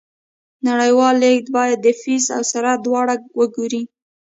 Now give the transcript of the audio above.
نړیوال لیږد باید د فیس او سرعت دواړه وګوري.